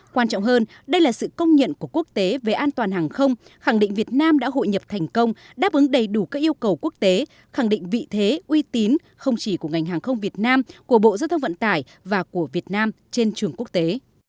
quan trọng hơn đây là sự công nhận của quốc tế về an toàn hàng không khẳng định việt nam đã hội nhập thành công đáp ứng đầy đủ các yêu cầu quốc tế khẳng định vị thế uy tín không chỉ của ngành hàng không việt nam của bộ giao thông vận tải và của việt nam trên trường quốc tế